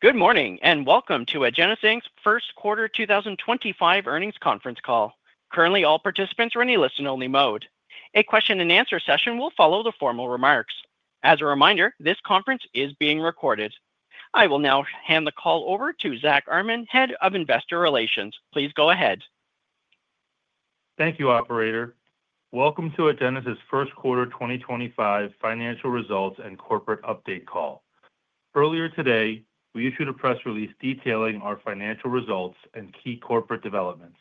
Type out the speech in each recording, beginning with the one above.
Good morning and welcome to Agenus' First Quarter 2025 earnings conference call. Currently, all participants are in a listen-only mode. A question-and-answer session will follow the formal remarks. As a reminder, this conference is being recorded. I will now hand the call over to Zack Armen, Head of Investor Relations. Please go ahead. Thank you, Operator. Welcome to Agenus' First Quarter 2025 financial results and corporate update call. Earlier today, we issued a press release detailing our financial results and key corporate developments.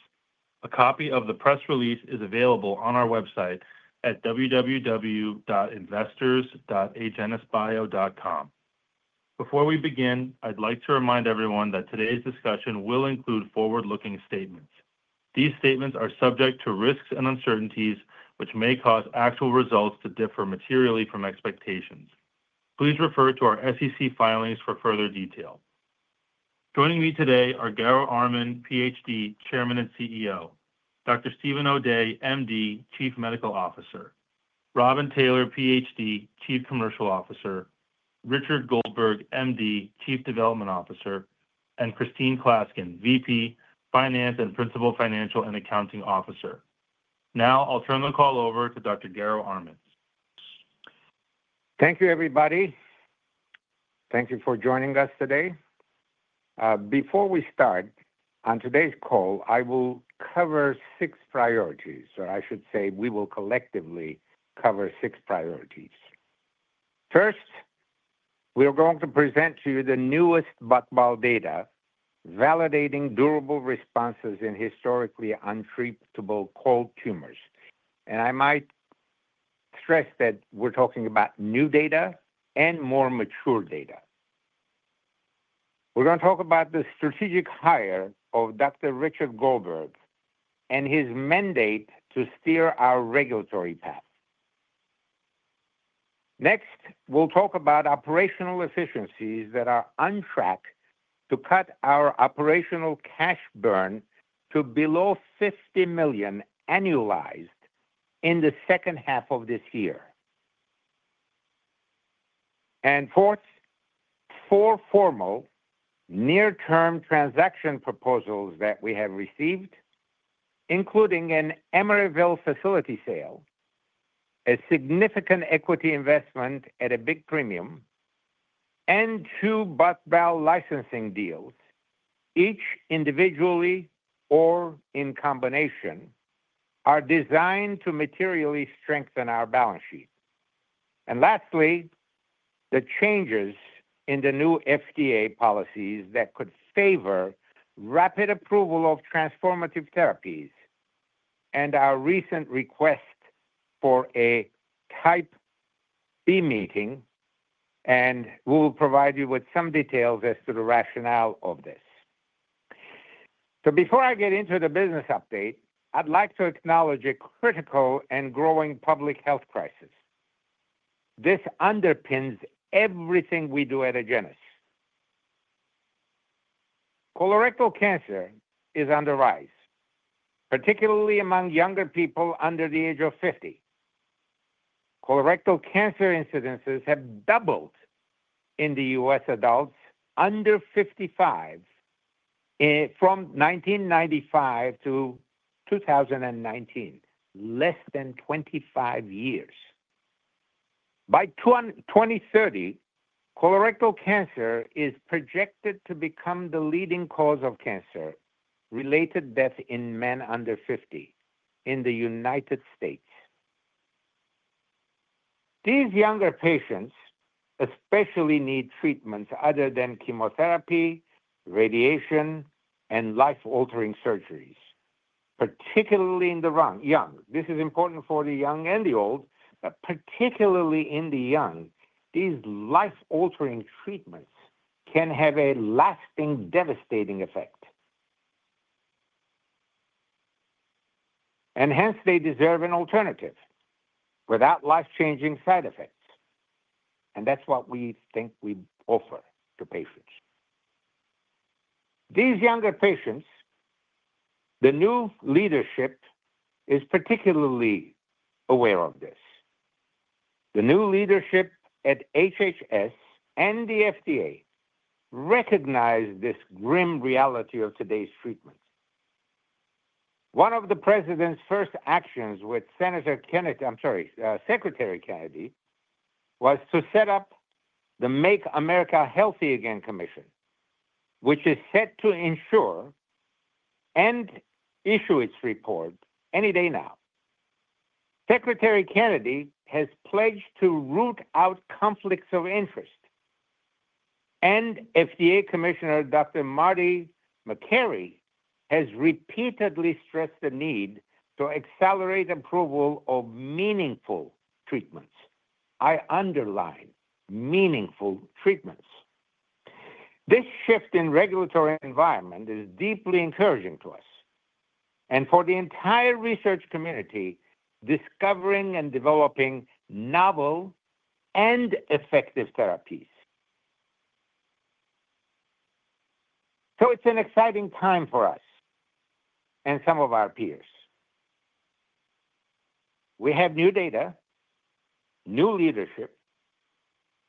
A copy of the press release is available on our website at www.investors.agenusbio.com. Before we begin, I'd like to remind everyone that today's discussion will include forward-looking statements. These statements are subject to risks and uncertainties, which may cause actual results to differ materially from expectations. Please refer to our SEC filings for further detail. Joining me today are Garo Armen, PhD, Chairman and CEO; Dr. Steven O'Day, M.D., Chief Medical Officer; Robin Taylor, PhD, Chief Commercial Officer; Richard Goldberg, M.D., Chief Development Officer; and Christine Klaskin, V.P., Finance and Principal Financial and Accounting Officer. Now, I'll turn the call over to Dr. Garo Armen. Thank you, everybody. Thank you for joining us today. Before we start on today's call, I will cover six priorities, or I should say we will collectively cover six priorities. First, we are going to present to you the newest Buckball data validating durable responses in historically untreatable cold tumors. I might stress that we're talking about new data and more mature data. We are going to talk about the strategic hire of Dr. Richard Goldberg and his mandate to steer our regulatory path. Next, we will talk about operational efficiencies that are on track to cut our operational cash burn to below $50 million annualized in the second half of this year. Fourth, four formal near-term transaction proposals that we have received, including an Emeryville facility sale, a significant equity investment at a big premium, and two Buckball licensing deals, each individually or in combination, are designed to materially strengthen our balance sheet. Lastly, the changes in the new FDA policies that could favor rapid approval of transformative therapies and our recent request for a type B meeting, and we will provide you with some details as to the rationale of this. Before I get into the business update, I'd like to acknowledge a critical and growing public health crisis. This underpins everything we do at Agenus. Colorectal cancer is on the rise, particularly among younger people under the age of 50. Colorectal cancer incidences have doubled in the U.S. adults under 55 from 1995 to 2019, less than 25 years. By 2030, colorectal cancer is projected to become the leading cause of cancer-related death in men under 50 in the United States. These younger patients especially need treatments other than chemotherapy, radiation, and life-altering surgeries, particularly in the young. This is important for the young and the old, but particularly in the young, these life-altering treatments can have a lasting, devastating effect. They deserve an alternative without life-changing side effects. That is what we think we offer to patients. These younger patients, the new leadership is particularly aware of this. The new leadership at HHS and the FDA recognize this grim reality of today's treatment. One of the president's first actions with Secretary Kennedy was to set up the Make America Healthy Again Commission, which is set to ensure and issue its report any day now. Secretary Kennedy has pledged to root out conflicts of interest. FDA Commissioner Dr. Marty Makary has repeatedly stressed the need to accelerate approval of meaningful treatments. I underline meaningful treatments. This shift in regulatory environment is deeply encouraging to us and for the entire research community discovering and developing novel and effective therapies. It is an exciting time for us and some of our peers. We have new data, new leadership,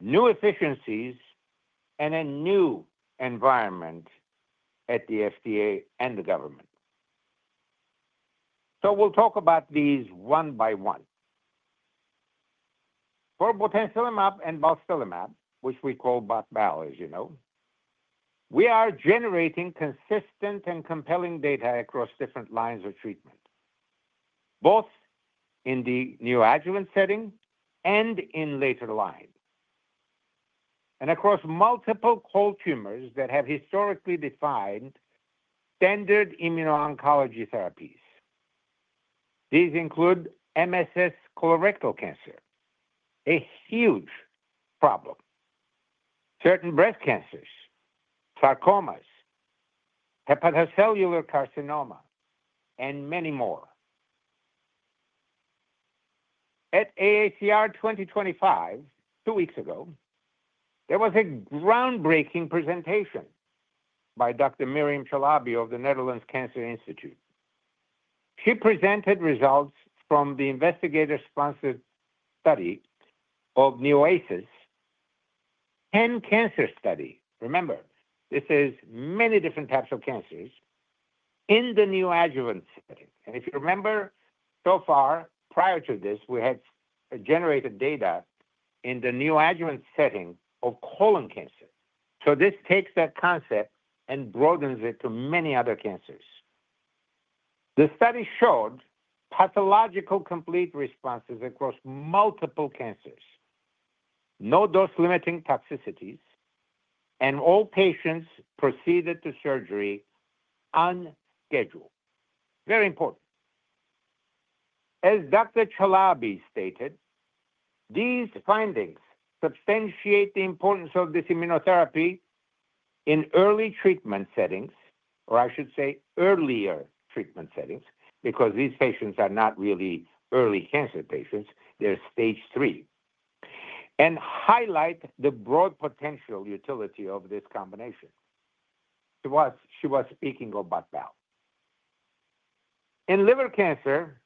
new efficiencies, and a new environment at the FDA and the government. We will talk about these one by one. For botensilimab and balstilimab, which we call Buckball, as you know, we are generating consistent and compelling data across different lines of treatment, both in the neoadjuvant setting and in later line, and across multiple cold tumors that have historically defined standard immuno-oncology therapies. These include MSS colorectal cancer, a huge problem, certain breast cancers, sarcomas, hepatocellular carcinoma, and many more. At AACR 2025, two weeks ago, there was a groundbreaking presentation by Dr. Miriam Chalabi of the Netherlands Cancer Institute. She presented results from the investigator-sponsored study of NeoASIS, 10 cancer studies. Remember, this is many different types of cancers in the neoadjuvant setting. If you remember, so far prior to this, we had generated data in the neoadjuvant setting of colon cancer. This takes that concept and broadens it to many other cancers. The study showed pathological complete responses across multiple cancers, no dose-limiting toxicities, and all patients proceeded to surgery unscheduled. Very important. As Dr. Chalabi stated, these findings substantiate the importance of this immunotherapy in early treatment settings, or I should say earlier treatment settings, because these patients are not really early cancer patients. They're stage three, and highlight the broad potential utility of this combination. She was speaking of Buckball. In liver cancer,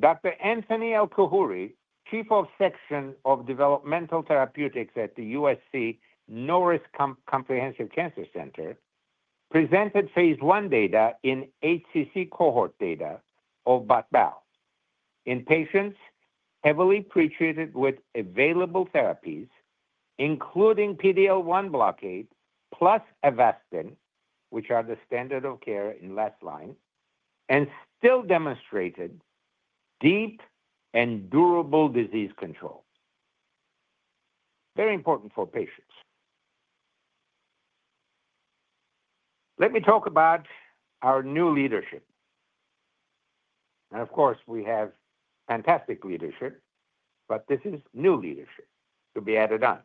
Dr. Anthony El-Khouri, Chief of Section of Developmental Therapeutics at the USC Norris Comprehensive Cancer Center, presented phase 1 data in HCC cohort data of Buckball in patients heavily pre-treated with available therapies, including PD-L1 blockade plus Avastin, which are the standard of care in last line, and still demonstrated deep and durable disease control. Very important for patients. Let me talk about our new leadership. Of course, we have fantastic leadership, but this is new leadership to be added on.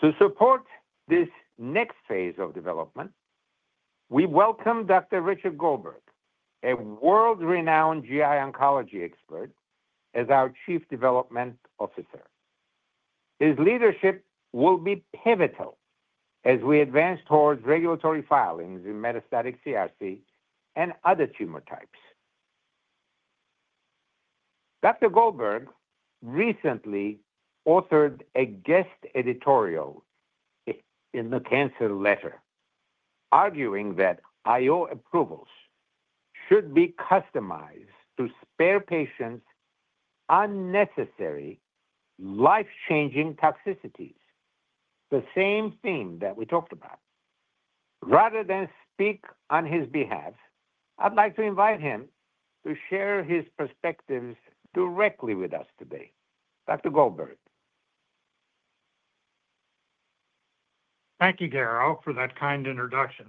To support this next phase of development, we welcome Dr. Richard Goldberg, a world-renowned GI oncology expert, as our Chief Development Officer. His leadership will be pivotal as we advance towards regulatory filings in metastatic CRC and other tumor types. Dr. Goldberg recently authored a guest editorial in The Cancer Letter, arguing that IO approvals should be customized to spare patients unnecessary life-changing toxicities, the same theme that we talked about. Rather than speak on his behalf, I'd like to invite him to share his perspectives directly with us today. Dr. Goldberg. Thank you, Garo, for that kind introduction.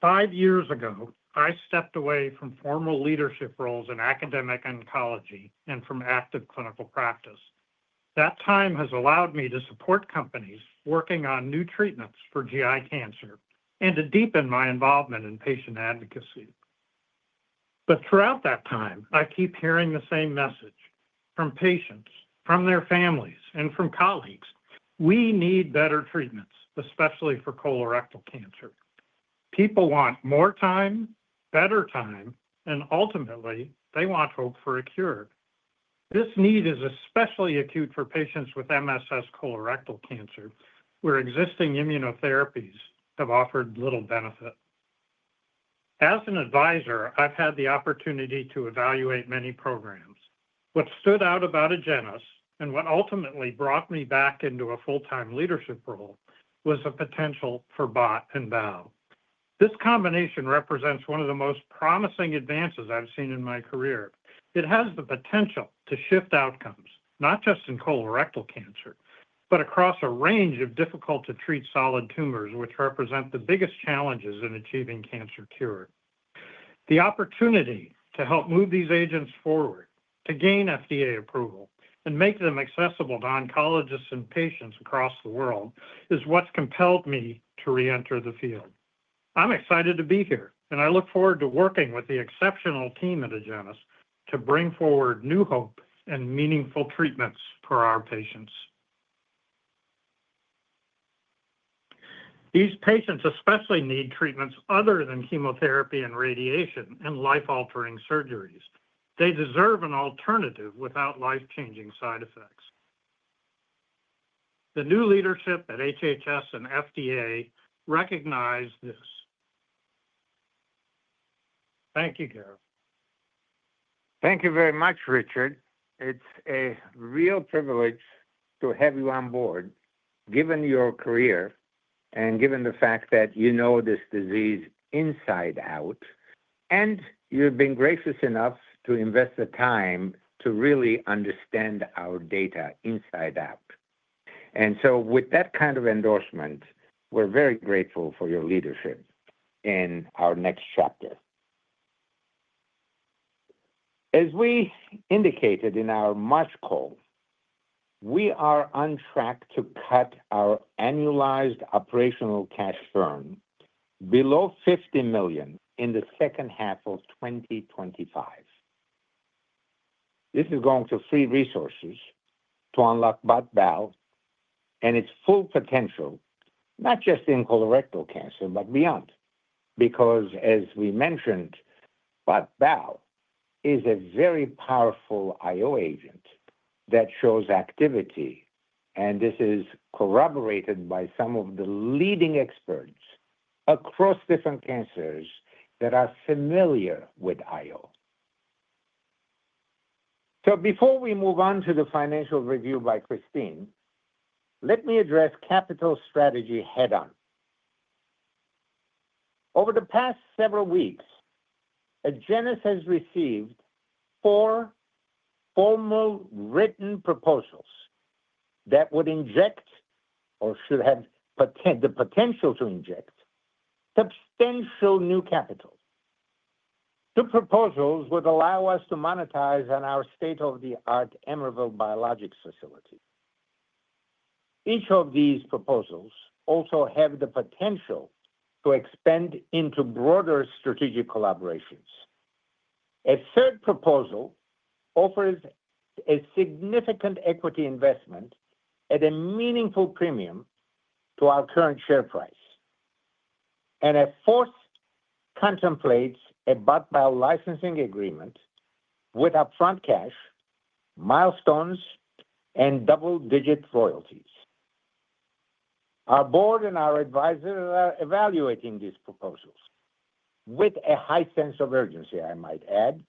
Five years ago, I stepped away from formal leadership roles in academic oncology and from active clinical practice. That time has allowed me to support companies working on new treatments for GI cancer and to deepen my involvement in patient advocacy. Throughout that time, I keep hearing the same message from patients, from their families, and from colleagues. We need better treatments, especially for colorectal cancer. People want more time, better time, and ultimately, they want hope for a cure. This need is especially acute for patients with MSS colorectal cancer, where existing immunotherapies have offered little benefit. As an advisor, I've had the opportunity to evaluate many programs. What stood out about Agenus and what ultimately brought me back into a full-time leadership role was the potential for Buckball. This combination represents one of the most promising advances I've seen in my career. It has the potential to shift outcomes, not just in colorectal cancer, but across a range of difficult-to-treat solid tumors, which represent the biggest challenges in achieving cancer cure. The opportunity to help move these agents forward, to gain FDA approval, and make them accessible to oncologists and patients across the world is what's compelled me to re-enter the field. I'm excited to be here, and I look forward to working with the exceptional team at Agenus to bring forward new hope and meaningful treatments for our patients. These patients especially need treatments other than chemotherapy and radiation and life-altering surgeries. They deserve an alternative without life-changing side effects. The new leadership at HHS and FDA recognize this. Thank you, Garo. Thank you very much, Richard. It's a real privilege to have you on board, given your career and given the fact that you know this disease inside out, and you've been gracious enough to invest the time to really understand our data inside out. With that kind of endorsement, we're very grateful for your leadership in our next chapter. As we indicated in our March call, we are on track to cut our annualized operational cash burn below $50 million in the second half of 2025. This is going to free resources to unlock Buckball and its full potential, not just in colorectal cancer, but beyond. As we mentioned, Buckball is a very powerful IO agent that shows activity, and this is corroborated by some of the leading experts across different cancers that are familiar with IO. Before we move on to the financial review by Christine, let me address capital strategy head-on. Over the past several weeks, Agenus has received four formal written proposals that would inject or should have the potential to inject substantial new capital. The proposals would allow us to monetize on our state-of-the-art Emeryville Biologics facility. Each of these proposals also has the potential to expand into broader strategic collaborations. A third proposal offers a significant equity investment at a meaningful premium to our current share price. A fourth contemplates a Buckball licensing agreement with upfront cash, milestones, and double-digit royalties. Our board and our advisors are evaluating these proposals with a high sense of urgency, I might add.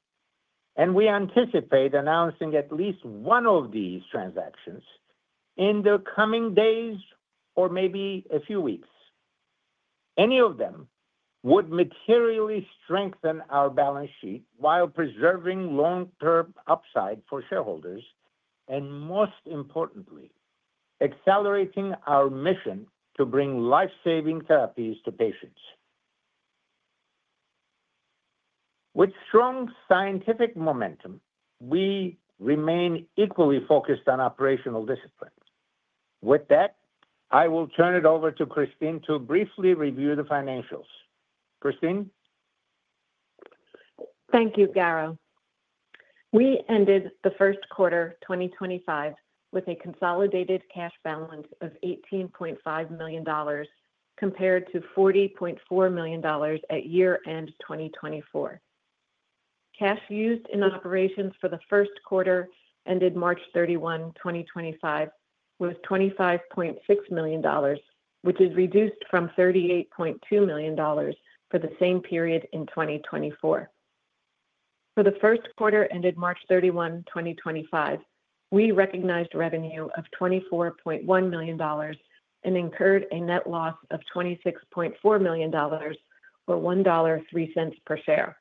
We anticipate announcing at least one of these transactions in the coming days or maybe a few weeks. Any of them would materially strengthen our balance sheet while preserving long-term upside for shareholders and, most importantly, accelerating our mission to bring lifesaving therapies to patients. With strong scientific momentum, we remain equally focused on operational discipline. With that, I will turn it over to Christine to briefly review the financials. Christine? Thank you, Garo. We ended the first quarter 2025 with a consolidated cash balance of $18.5 million compared to $40.4 million at year-end 2024. Cash used in operations for the first quarter ended March 31, 2025, was $25.6 million, which is reduced from $38.2 million for the same period in 2024. For the first quarter ended March 31, 2025, we recognized revenue of $24.1 million and incurred a net loss of $26.4 million or $1.03 per share.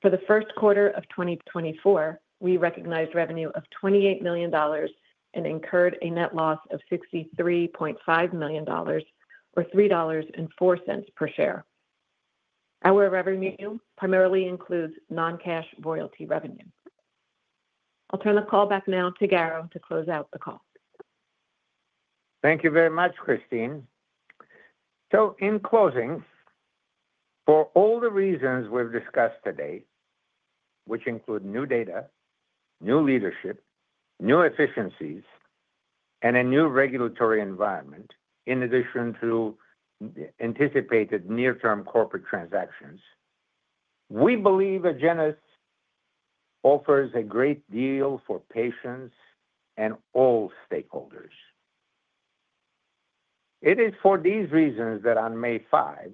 For the first quarter of 2024, we recognized revenue of $28 million and incurred a net loss of $63.5 million or $3.04 per share. Our revenue primarily includes non-cash royalty revenue. I'll turn the call back now to Garo to close out the call. Thank you very much, Christine. In closing, for all the reasons we've discussed today, which include new data, new leadership, new efficiencies, and a new regulatory environment, in addition to anticipated near-term corporate transactions, we believe Agenus offers a great deal for patients and all stakeholders. It is for these reasons that on May 5,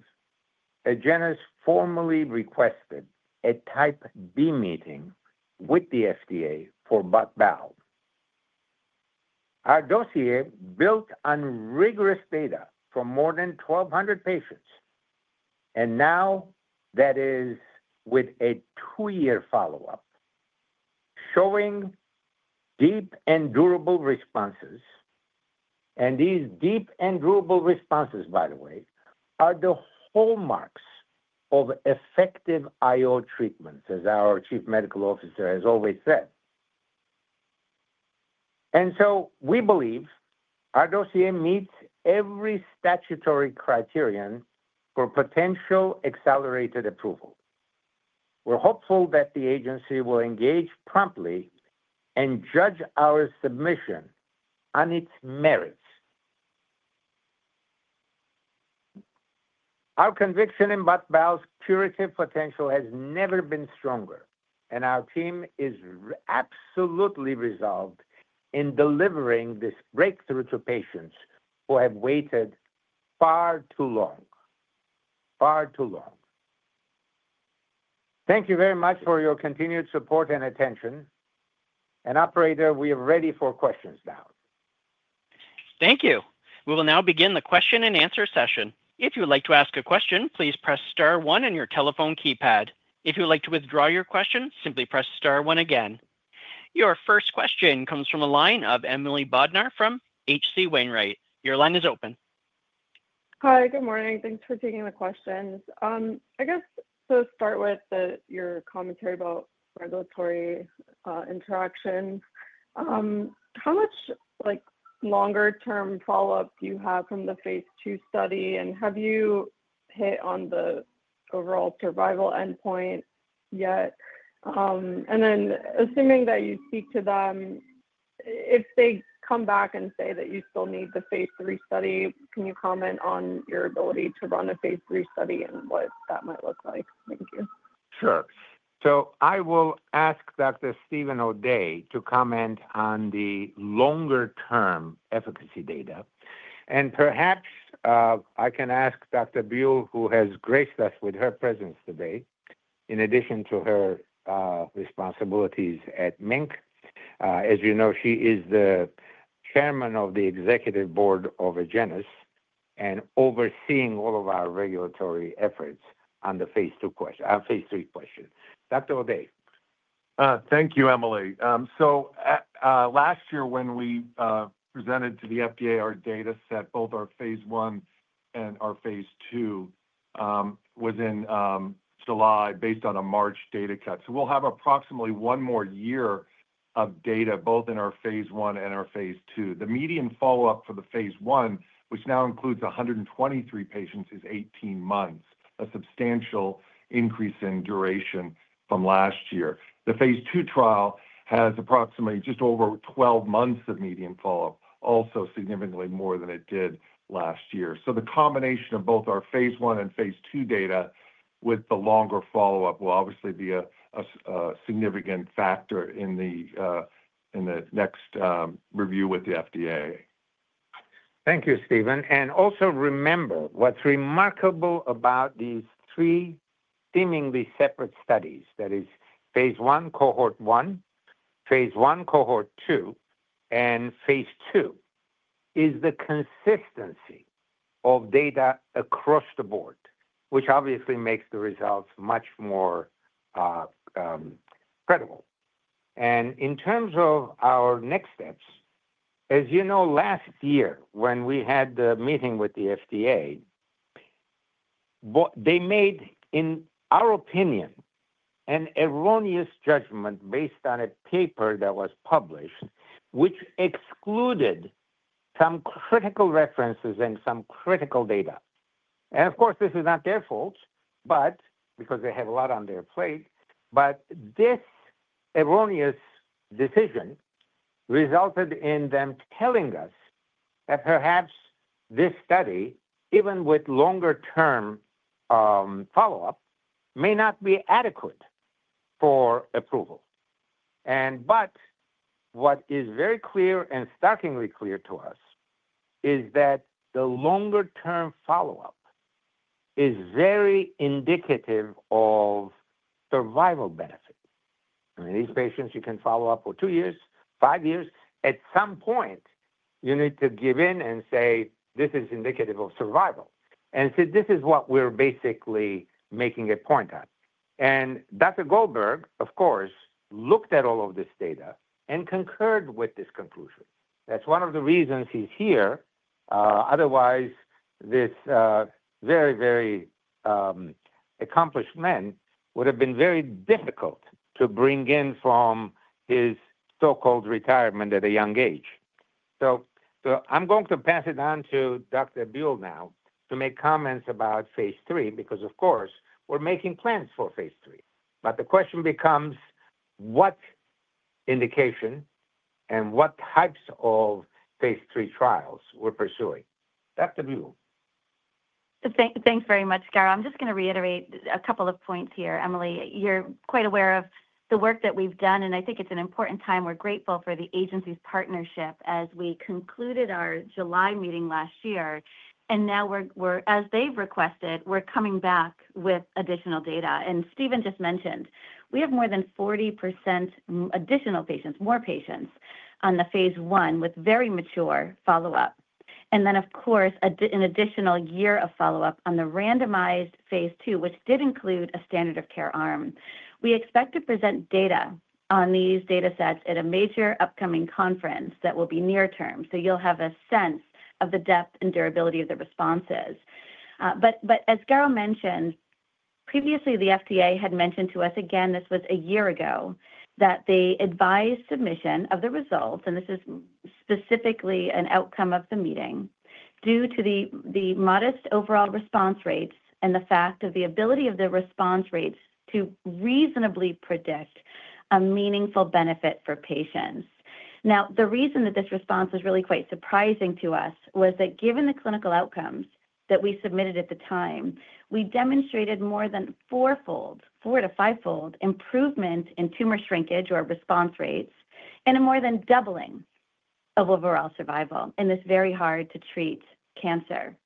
Agenus formally requested a Type B meeting with the FDA for Buckball. Our dossier is built on rigorous data from more than 1,200 patients, and now that is with a two-year follow-up, showing deep and durable responses. These deep and durable responses, by the way, are the hallmarks of effective IO treatments, as our Chief Medical Officer has always said. We believe our dossier meets every statutory criterion for potential accelerated approval. We're hopeful that the agency will engage promptly and judge our submission on its merits. Our conviction in Buckball's curative potential has never been stronger, and our team is absolutely resolved in delivering this breakthrough to patients who have waited far too long, far too long. Thank you very much for your continued support and attention. Operator, we are ready for questions now. Thank you. We will now begin the question and answer session. If you'd like to ask a question, please press star one on your telephone keypad. If you'd like to withdraw your question, simply press star one again. Your first question comes from the line of Emily Bodnar from H.C. Wainwright. Your line is open. Hi, good morning. Thanks for taking the question. I guess to start with your commentary about regulatory interactions, how much longer-term follow-up do you have from the phase two study, and have you hit on the overall survival endpoint yet? Assuming that you speak to them, if they come back and say that you still need the phase three study, can you comment on your ability to run a phase three study and what that might look like? Thank you. Sure. I will ask Dr. Steven O'Day to comment on the longer-term efficacy data. Perhaps I can ask Dr. Buell, who has graced us with her presence today, in addition to her responsibilities at MiNK. As you know, she is the Chairman of the Executive Board of Agenus and overseeing all of our regulatory efforts on the phase two question. Dr. O'Day. Thank you, Emily. Last year, when we presented to the FDA our data set, both our phase one and our phase two was in July based on a March data cut. We will have approximately one more year of data both in our phase one and our phase two. The median follow-up for the phase one, which now includes 123 patients, is 18 months, a substantial increase in duration from last year. The phase two trial has approximately just over 12 months of median follow-up, also significantly more than it did last year. The combination of both our phase one and phase two data with the longer follow-up will obviously be a significant factor in the next review with the FDA. Thank you, Steven. Also remember, what's remarkable about these three seemingly separate studies, that is, phase one, cohort one, phase one, cohort two, and phase two, is the consistency of data across the board, which obviously makes the results much more credible. In terms of our next steps, as you know, last year, when we had the meeting with the FDA, they made, in our opinion, an erroneous judgment based on a paper that was published, which excluded some critical references and some critical data. Of course, this is not their fault, because they have a lot on their plate, but this erroneous decision resulted in them telling us that perhaps this study, even with longer-term follow-up, may not be adequate for approval. What is very clear and strikingly clear to us is that the longer-term follow-up is very indicative of survival benefit. I mean, these patients, you can follow up for two years, five years. At some point, you need to give in and say, "This is indicative of survival." This is what we're basically making a point of. Dr. Goldberg, of course, looked at all of this data and concurred with this conclusion. That is one of the reasons he is here. Otherwise, this very, very accomplished man would have been very difficult to bring in from his so-called retirement at a young age. I am going to pass it on to Dr. Buell now to make comments about phase three because, of course, we are making plans for phase three. The question becomes, what indication and what types of phase three trials we are pursuing. Dr. Buell. Thanks very much, Garo. I'm just going to reiterate a couple of points here. Emily, you're quite aware of the work that we've done, and I think it's an important time. We're grateful for the agency's partnership as we concluded our July meeting last year. As they've requested, we're coming back with additional data. Steven just mentioned, we have more than 40% additional patients, more patients on the phase one with very mature follow-up. Of course, an additional year of follow-up on the randomized phase two, which did include a standard of care arm. We expect to present data on these data sets at a major upcoming conference that will be near term. You will have a sense of the depth and durability of the responses. As Garo mentioned previously, the FDA had mentioned to us, again, this was a year ago, that they advised submission of the results, and this is specifically an outcome of the meeting, due to the modest overall response rates and the fact of the ability of the response rates to reasonably predict a meaningful benefit for patients. The reason that this response was really quite surprising to us was that given the clinical outcomes that we submitted at the time, we demonstrated more than fourfold, four to fivefold improvement in tumor shrinkage or response rates and a more than doubling of overall survival in this very hard-to-treat cancer.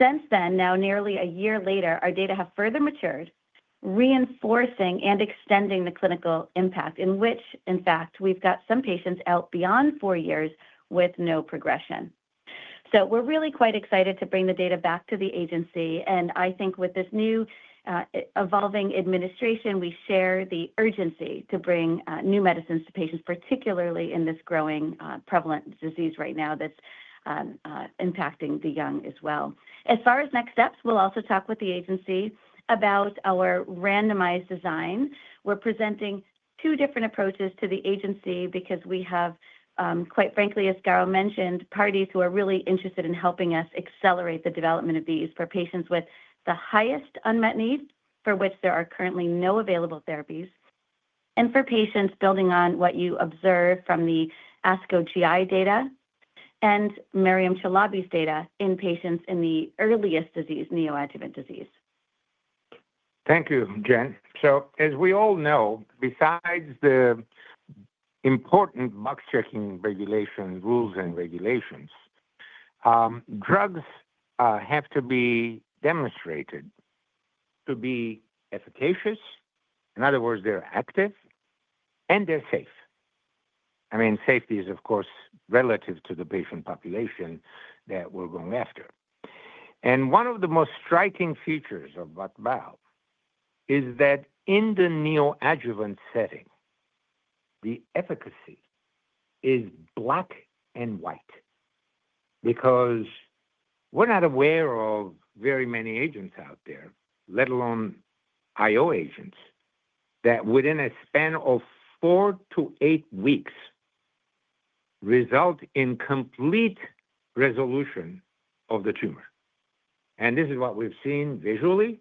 Since then, now nearly a year later, our data have further matured, reinforcing and extending the clinical impact in which, in fact, we've got some patients out beyond four years with no progression. We are really quite excited to bring the data back to the agency. I think with this new evolving administration, we share the urgency to bring new medicines to patients, particularly in this growing prevalent disease right now that is impacting the young as well. As far as next steps, we will also talk with the agency about our randomized design. We are presenting two different approaches to the agency because we have, quite frankly, as Garo mentioned, parties who are really interested in helping us accelerate the development of these for patients with the highest unmet need for which there are currently no available therapies and for patients building on what you observed from the ASCO GI data and Miriam Chalabi's data in patients in the earliest disease, neoadjuvant disease. Thank you, Jen. As we all know, besides the important box-checking regulations, rules, and regulations, drugs have to be demonstrated to be efficacious. In other words, they're active and they're safe. I mean, safety is, of course, relative to the patient population that we're going after. One of the most striking features of Buckball is that in the neoadjuvant setting, the efficacy is black and white because we're not aware of very many agents out there, let alone IO agents, that within a span of four to eight weeks result in complete resolution of the tumor. This is what we've seen visually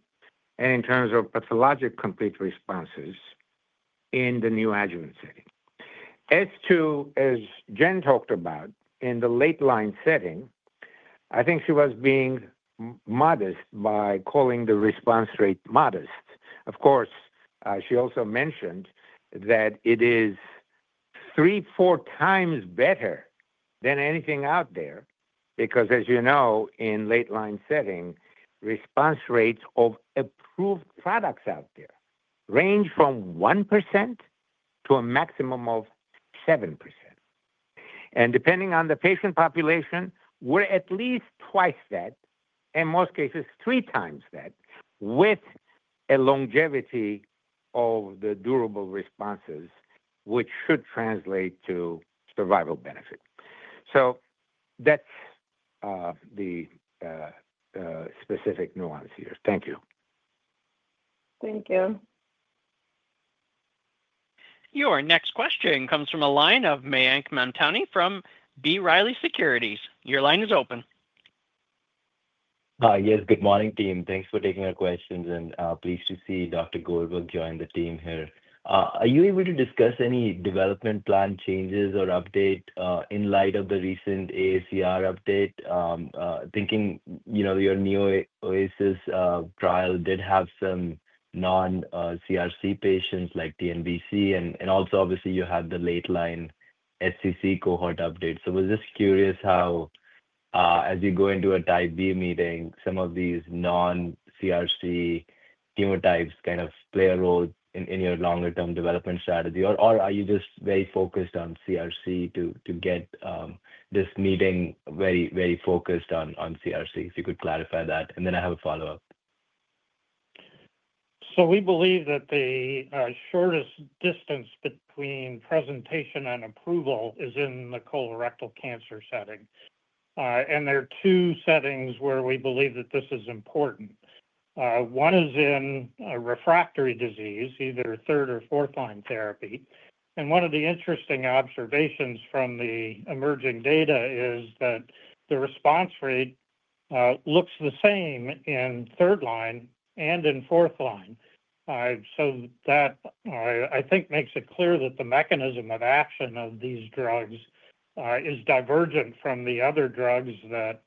and in terms of pathologic complete responses in the neoadjuvant setting. As to, as Jen talked about, in the late-line setting, I think she was being modest by calling the response rate modest. Of course, she also mentioned that it is three, four times better than anything out there because, as you know, in late-line setting, response rates of approved products out there range from 1% to a maximum of 7%. Depending on the patient population, we're at least twice that, in most cases, three times that, with a longevity of the durable responses, which should translate to survival benefit. That is the specific nuance here. Thank you. Thank you. Your next question comes from a line of Mayank Mamtani from B. Riley Securities. Your line is open. Yes, good morning, team. Thanks for taking our questions. Pleased to see Dr. Goldberg join the team here. Are you able to discuss any development plan changes or update in light of the recent AACR update? Thinking your NeoASIS trial did have some non-CRC patients like TNBC, and also, obviously, you had the late-line SCC cohort update. We are just curious how, as you go into a type B meeting, some of these non-CRC chemotypes kind of play a role in your longer-term development strategy, or are you just very focused on CRC to get this meeting very focused on CRC? If you could clarify that. I have a follow-up. We believe that the shortest distance between presentation and approval is in the colorectal cancer setting. There are two settings where we believe that this is important. One is in refractory disease, either third or fourth-line therapy. One of the interesting observations from the emerging data is that the response rate looks the same in third line and in fourth line. That, I think, makes it clear that the mechanism of action of these drugs is divergent from the other drugs that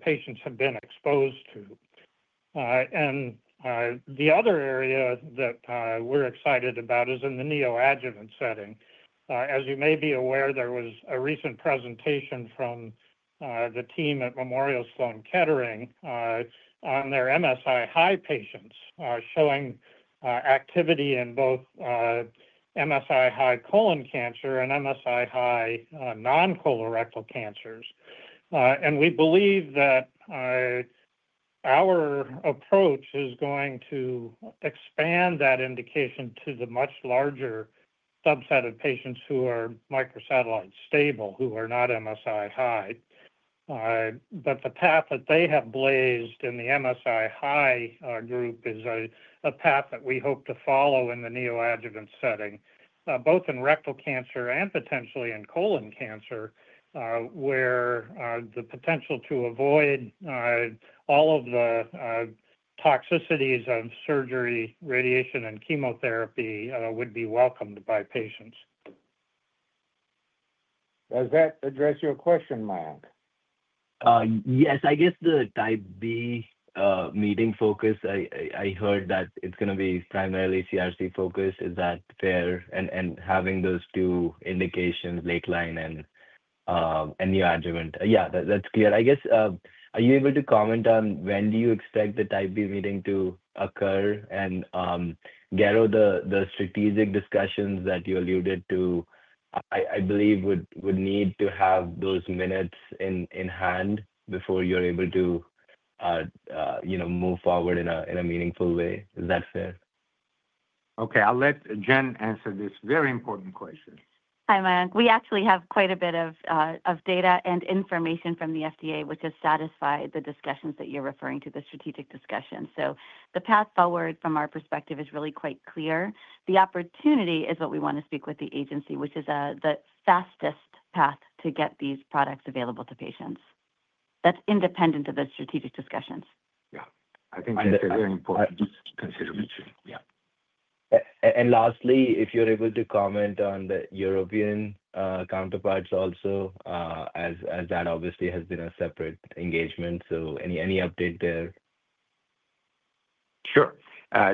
patients have been exposed to. The other area that we're excited about is in the neoadjuvant setting. As you may be aware, there was a recent presentation from the team at Memorial Sloan Kettering on their MSI-high patients showing activity in both MSI-high colon cancer and MSI-high non-colorectal cancers. We believe that our approach is going to expand that indication to the much larger subset of patients who are microsatellite stable, who are not MSI high. The path that they have blazed in the MSI high group is a path that we hope to follow in the neoadjuvant setting, both in rectal cancer and potentially in colon cancer, where the potential to avoid all of the toxicities of surgery, radiation, and chemotherapy would be welcomed by patients. Does that address your question, Mayank? Yes, I guess the type B meeting focus, I heard that it's going to be primarily CRC focused. Is that fair? Having those two indications, late-line and neoadjuvant. Yeah, that's clear. I guess, are you able to comment on when do you expect the type B meeting to occur? Garo, the strategic discussions that you alluded to, I believe, would need to have those minutes in hand before you're able to move forward in a meaningful way. Is that fair? Okay, I'll let Jen answer this very important question. Hi, Mayank. We actually have quite a bit of data and information from the FDA, which has satisfied the discussions that you're referring to, the strategic discussion. The path forward from our perspective is really quite clear. The opportunity is what we want to speak with the agency, which is the fastest path to get these products available to patients. That's independent of the strategic discussions. Yeah, I think that's a very important consideration. Yeah. Lastly, if you're able to comment on the European counterparts also, as that obviously has been a separate engagement. Any update there? Sure.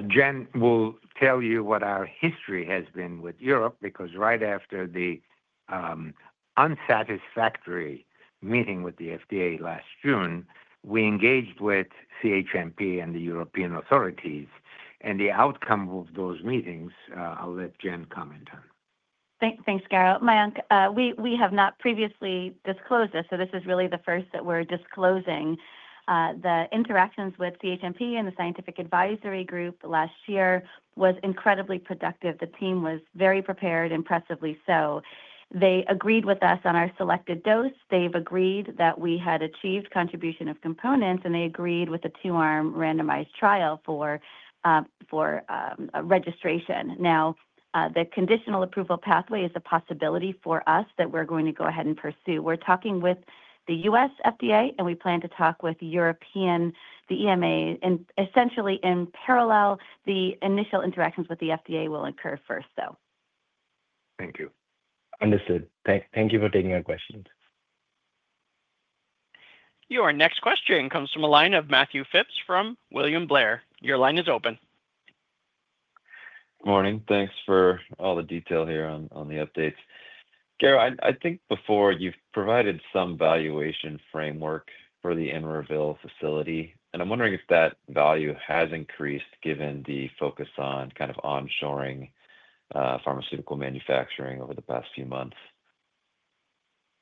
Jen will tell you what our history has been with Europe because right after the unsatisfactory meeting with the FDA last June, we engaged with CHMP and the European authorities. The outcome of those meetings, I'll let Jen comment on. Thanks, Garo. Mayank, we have not previously disclosed this. This is really the first that we're disclosing. The interactions with CHMP and the scientific advisory group last year was incredibly productive. The team was very prepared, impressively so. They agreed with us on our selected dose. They agreed that we had achieved contribution of components, and they agreed with a two-arm randomized trial for registration. Now, the conditional approval pathway is a possibility for us that we're going to go ahead and pursue. We're talking with the U.S. FDA, and we plan to talk with the EMA. Essentially, in parallel, the initial interactions with the FDA will occur first, though. Thank you. Understood. Thank you for taking our questions. Your next question comes from a line of Matthew Phipps from William Blair. Your line is open. Good morning. Thanks for all the detail here on the updates. Garo, I think before you've provided some valuation framework for the Emeryville facility, and I'm wondering if that value has increased given the focus on kind of onshoring pharmaceutical manufacturing over the past few months.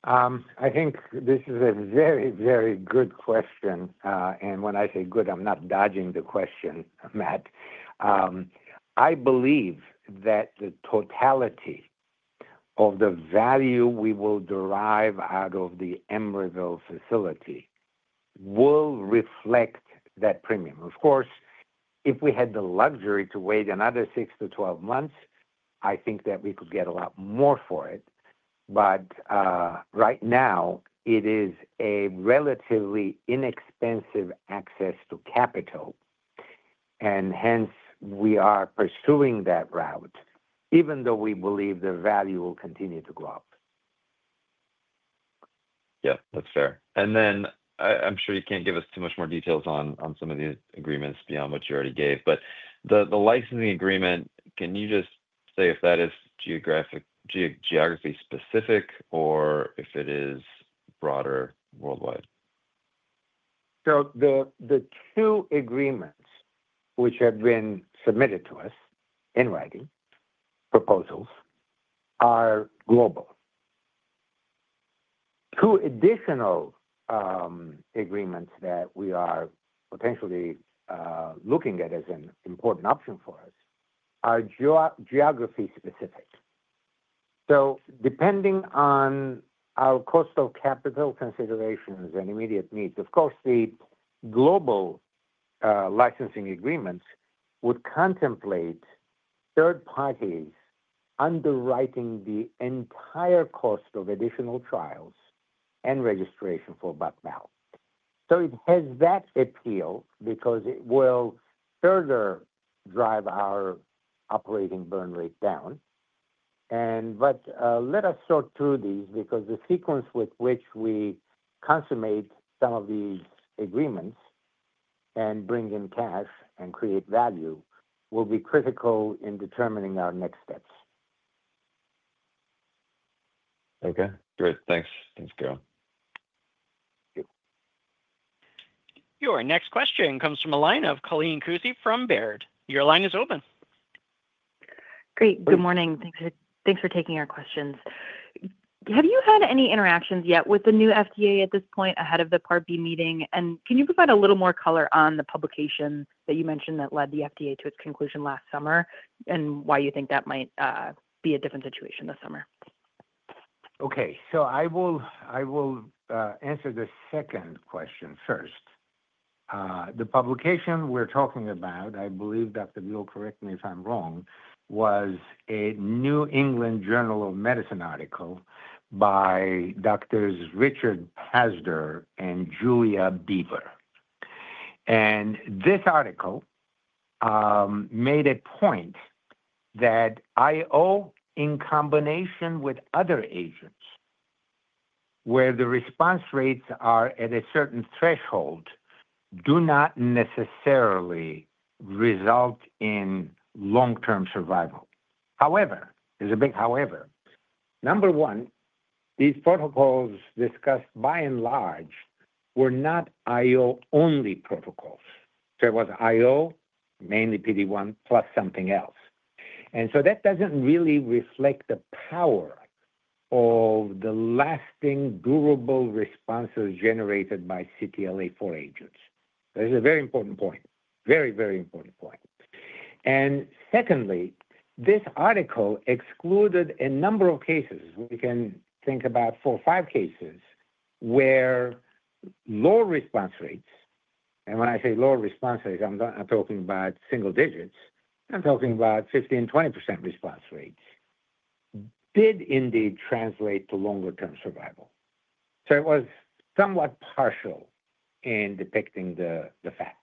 I think this is a very, very good question. When I say good, I'm not dodging the question, Matt. I believe that the totality of the value we will derive out of the Emeryville facility will reflect that premium. Of course, if we had the luxury to wait another 6-12 months, I think that we could get a lot more for it. Right now, it is a relatively inexpensive access to capital. Hence, we are pursuing that route, even though we believe the value will continue to go up. Yeah, that's fair. I'm sure you can't give us too much more details on some of the agreements beyond what you already gave. The licensing agreement, can you just say if that is geography-specific or if it is broader worldwide? The two agreements which have been submitted to us in writing, proposals, are global. Two additional agreements that we are potentially looking at as an important option for us are geography-specific. Depending on our cost of capital considerations and immediate needs, of course, the global licensing agreements would contemplate third parties underwriting the entire cost of additional trials and registration for Buckball. It has that appeal because it will further drive our operating burn rate down. Let us sort through these because the sequence with which we consummate some of these agreements and bring in cash and create value will be critical in determining our next steps. Okay. Great. Thanks. Thanks, Garo. Your next question comes from a line of Colleen Kusy from Baird. Your line is open. Great. Good morning. Thanks for taking our questions. Have you had any interactions yet with the new FDA at this point ahead of the Part B meeting? Can you provide a little more color on the publication that you mentioned that led the FDA to its conclusion last summer and why you think that might be a different situation this summer? Okay. I will answer the second question first. The publication we're talking about, I believe, Dr. Buell, correct me if I'm wrong, was a New England Journal of Medicine article by doctors Richard Pazdur and Julia Beaver. This article made a point that IO, in combination with other agents, where the response rates are at a certain threshold, do not necessarily result in long-term survival. However, there's a big however. Number one, these protocols discussed by and large were not IO-only protocols. There was IO, mainly PD-1, plus something else. That does not really reflect the power of the lasting durable responses generated by CTLA-4 agents. This is a very important point. Very, very important point. Secondly, this article excluded a number of cases. We can think about four or five cases where low response rates, and when I say low response rates, I'm talking about single digits. I'm talking about 15%-20% response rates, did indeed translate to longer-term survival. It was somewhat partial in depicting the facts.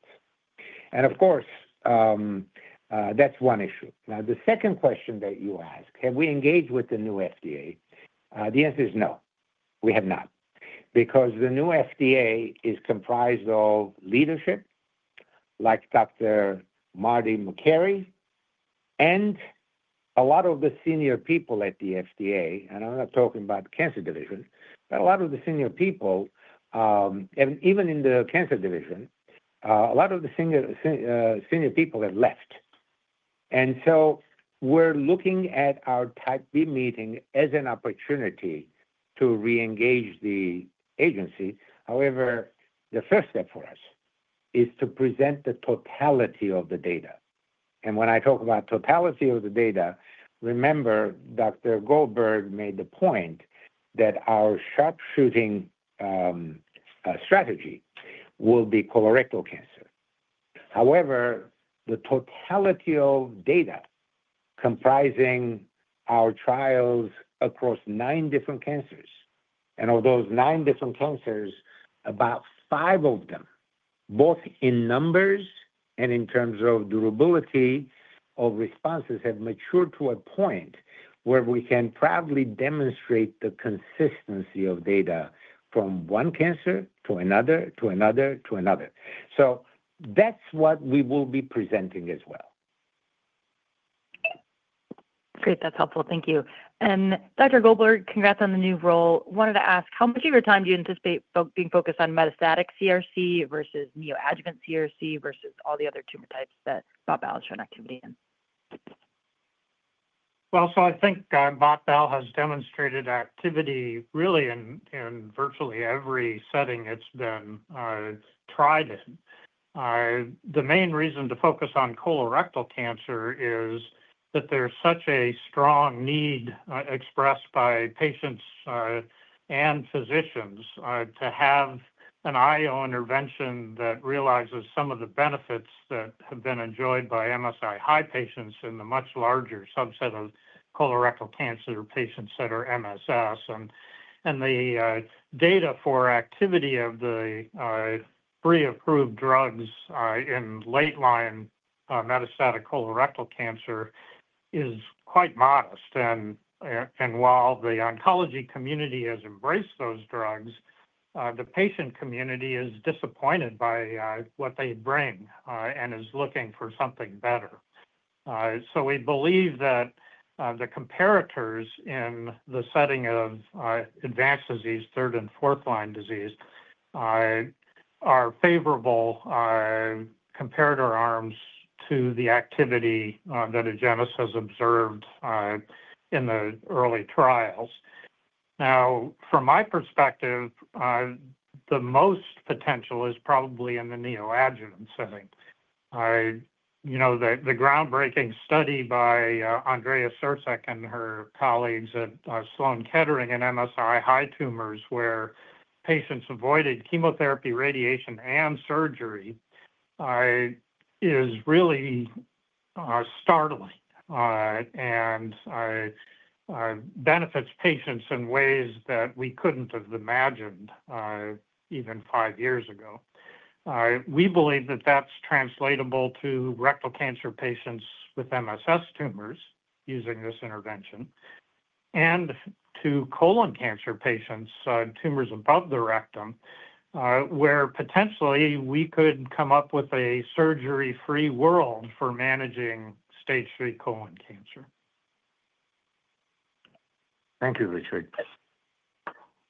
Of course, that's one issue. Now, the second question that you asked, have we engaged with the new FDA? The answer is no. We have not because the new FDA is comprised of leadership like Dr. Marty Makary and a lot of the senior people at the FDA. I'm not talking about the cancer division, but a lot of the senior people, even in the cancer division, a lot of the senior people have left. We're looking at our type B meeting as an opportunity to reengage the agency. However, the first step for us is to present the totality of the data. When I talk about totality of the data, remember, Dr. Goldberg made the point that our sharpshooting strategy will be colorectal cancer. However, the totality of data comprising our trials across nine different cancers, and of those nine different cancers, about five of them, both in numbers and in terms of durability of responses, have matured to a point where we can proudly demonstrate the consistency of data from one cancer to another to another to another. That is what we will be presenting as well. Great. That's helpful. Thank you. Dr. Goldberg, congrats on the new role. I wanted to ask, how much of your time do you anticipate being focused on metastatic CRC versus neoadjuvant CRC versus all the other tumor types that Buckball shared activity in? I think Buckball has demonstrated activity really in virtually every setting it's been tried in. The main reason to focus on colorectal cancer is that there's such a strong need expressed by patients and physicians to have an IO intervention that realizes some of the benefits that have been enjoyed by MSI-high patients in the much larger subset of colorectal cancer patients that are MSS. The data for activity of the pre-approved drugs in late-line metastatic colorectal cancer is quite modest. While the oncology community has embraced those drugs, the patient community is disappointed by what they bring and is looking for something better. We believe that the comparators in the setting of advanced disease, third and fourth-line disease, are favorable comparator arms to the activity that Agenus has observed in the early trials. Now, from my perspective, the most potential is probably in the neoadjuvant setting. The groundbreaking study by Andrea Cercek and her colleagues at Sloan Kettering in MSI-high tumors, where patients avoided chemotherapy, radiation, and surgery, is really startling and benefits patients in ways that we couldn't have imagined even five years ago. We believe that that's translatable to rectal cancer patients with MSS tumors using this intervention and to colon cancer patients, tumors above the rectum, where potentially we could come up with a surgery-free world for managing stage III colon cancer. Thank you, Richard.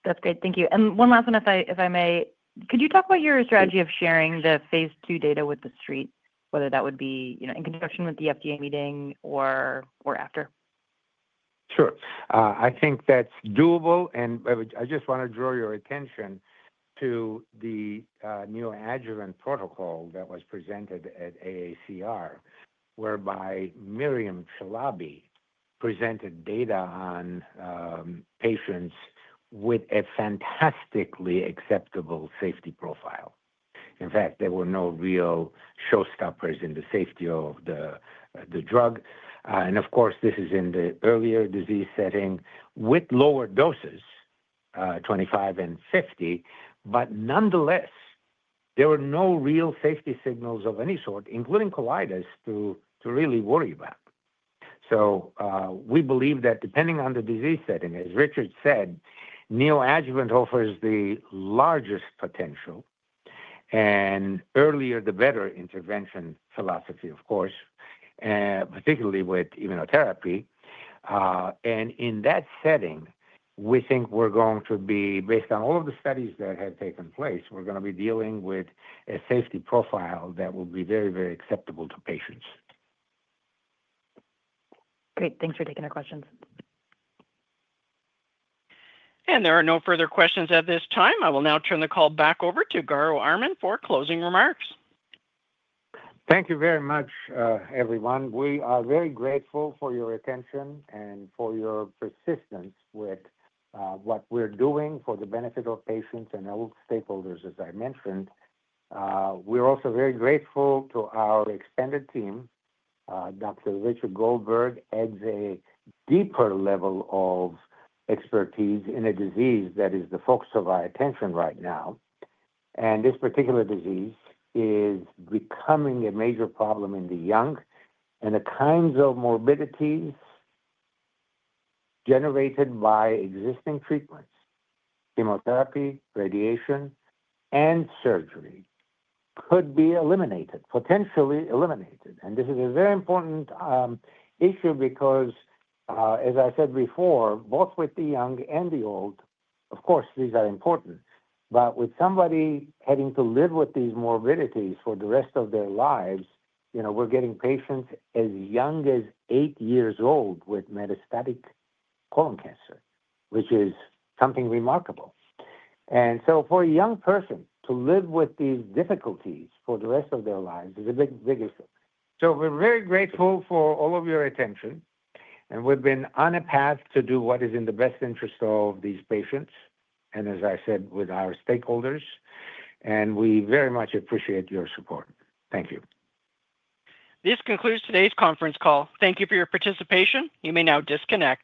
That's great. Thank you. One last one, if I may. Could you talk about your strategy of sharing the phase II data with the street, whether that would be in conjunction with the FDA meeting or after? Sure. I think that's doable. I just want to draw your attention to the neoadjuvant protocol that was presented at AACR, whereby Myriam Chalabi presented data on patients with a fantastically acceptable safety profile. In fact, there were no real showstoppers in the safety of the drug. Of course, this is in the earlier disease setting with lower doses, 25 and 50. Nonetheless, there were no real safety signals of any sort, including colitis, to really worry about. We believe that depending on the disease setting, as Richard said, neoadjuvant offers the largest potential and earlier the better intervention philosophy, of course, particularly with immunotherapy. In that setting, we think we're going to be, based on all of the studies that have taken place, dealing with a safety profile that will be very, very acceptable to patients. Great. Thanks for taking our questions. There are no further questions at this time. I will now turn the call back over to Garo Armen for closing remarks. Thank you very much, everyone. We are very grateful for your attention and for your persistence with what we're doing for the benefit of patients and elite stakeholders, as I mentioned. We are also very grateful to our expanded team. Dr. Richard Goldberg adds a deeper level of expertise in a disease that is the focus of our attention right now. This particular disease is becoming a major problem in the young and the kinds of morbidities generated by existing treatments, chemotherapy, radiation, and surgery could be eliminated, potentially eliminated. This is a very important issue because, as I said before, both with the young and the old, of course, these are important. With somebody having to live with these morbidities for the rest of their lives, we are getting patients as young as eight years old with metastatic colon cancer, which is something remarkable. For a young person to live with these difficulties for the rest of their lives is a big issue. We are very grateful for all of your attention. We have been on a path to do what is in the best interest of these patients and, as I said, with our stakeholders. We very much appreciate your support. Thank you. This concludes today's conference call. Thank you for your participation. You may now disconnect.